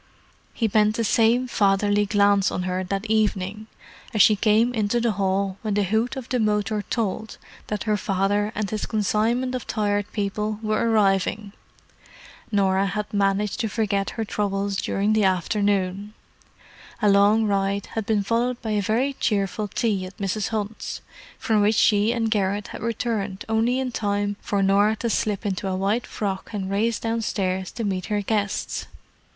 He bent the same fatherly glance on her that evening as she came into the hall when the hoot of the motor told that her father and his consignment of Tired People were arriving. Norah had managed to forget her troubles during the afternoon. A long ride had been followed by a very cheerful tea at Mrs. Hunt's, from which she and Garrett had returned only in time for Norah to slip into a white frock and race downstairs to meet her guests.